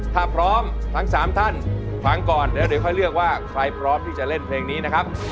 ถ้าพร้อมทั้ง๓ท่านฟังก่อนเดี๋ยวค่อยเลือกว่าใครพร้อมที่จะเล่นเพลงนี้นะครับ